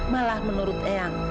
malah menurut eang